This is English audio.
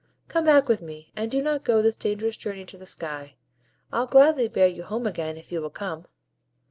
Come back with me, and do not go this dangerous journey to the sky. I'll gladly bear you home again, if you will come."